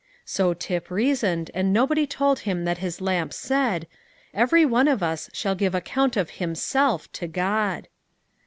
So Tip reasoned, and nobody told him that his lamp said, "Every one of us shall give account of himself to God."